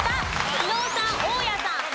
伊野尾さん大家さん濱田さん